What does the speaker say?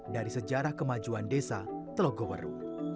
dari sejarah kemajuan desa telogoweru